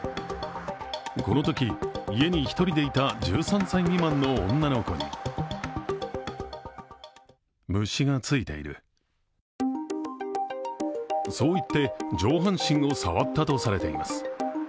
このとき、家に１人でいた１３歳未満の女の子にそう言って上半身を触ったとされています。